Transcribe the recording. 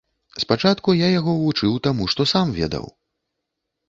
Спачатку я яго вучыў таму, што сам ведаў.